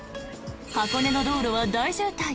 箱根の道路は大渋滞。